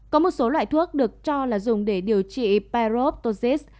có một số loại thuốc được cho là dùng để điều trị perovosis